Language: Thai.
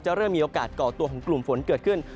เริ่มมีโอกาสก่อตัวของกลุ่มฝนเกิดขึ้น